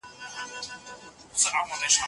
سياست د قدرت له پاره دوامداره لوبه ده.